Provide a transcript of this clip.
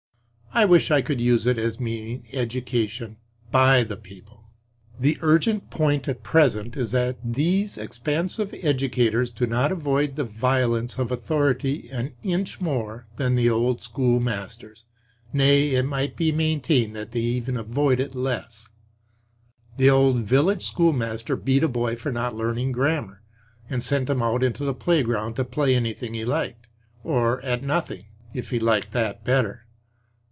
I wish I could use it as meaning education by the people. The urgent point at present is that these expansive educators do not avoid the violence of authority an inch more than the old school masters. Nay, it might be maintained that they avoid it less. The old village schoolmaster beat a boy for not learning grammar and sent him out into the playground to play anything he liked; or at nothing, if he liked that better.